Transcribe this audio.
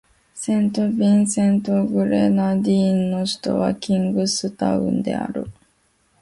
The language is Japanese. セントビンセント・グレナディーンの首都はキングスタウンである